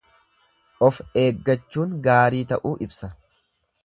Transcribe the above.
Of eeggachuun gaarii ta'uu ibsa.